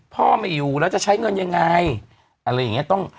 ไม่อยู่แล้วจะใช้เงินยังไงอะไรอย่างเงี้ต้อง